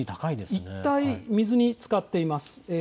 一帯、水につかっています。